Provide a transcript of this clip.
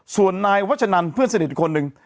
ส่วนนายวัชนันเพื่อนสนิทอีกคนนึง